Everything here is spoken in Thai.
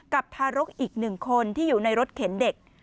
ทารกอีกหนึ่งคนที่อยู่ในรถเข็นเด็ก